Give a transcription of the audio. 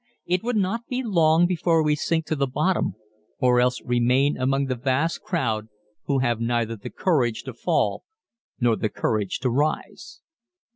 _ It will not be long before we sink to the bottom or else remain among the vast crowd who have neither the courage to fall nor the courage to rise.